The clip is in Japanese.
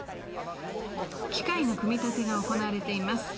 機械の組み立てが行われています。